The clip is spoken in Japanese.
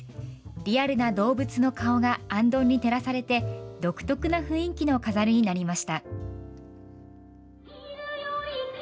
リアルな動物の顔があんどんに照らされて独特な雰囲気の飾りになりました。